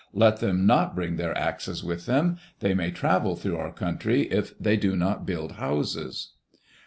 Let them not bring their axes with them. They may travel through our country if they do not build houses."